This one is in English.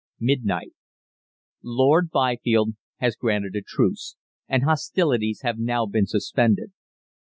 "Midnight. "Lord Byfield has granted a truce, and hostilities have now been suspended.